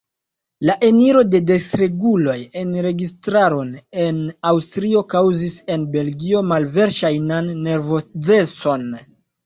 La eniro de dekstreguloj en la registaron en Aŭstrio kaŭzis en Belgio malverŝajnan nervozecon.